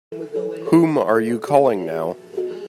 Whom are you calling now?